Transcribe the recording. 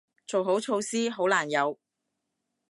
做好措施，好難有